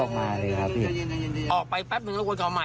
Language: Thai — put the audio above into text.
เกือบสิบเลย